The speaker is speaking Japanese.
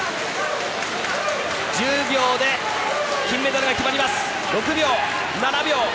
１０秒で金メダルが決まります。